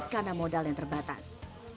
karena modal yang terbatas